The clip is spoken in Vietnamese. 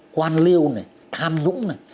quan liêu này tham nhũng này